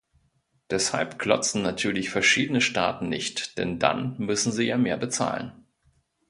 Deshalb klotzen natürlich verschiedene Staaten nicht, denn dann müssen sie ja mehr bezahlen.